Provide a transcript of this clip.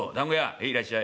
「へいいらっしゃい。